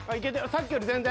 さっきより全然。